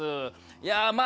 いやまあ